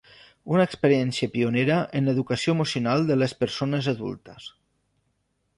Una experiència pionera en l'educació emocional de les persones adultes.